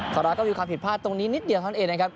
ของเราก็มีความผิดพลาดตรงนี้นิดเดียวเท่านั้นเองนะครับ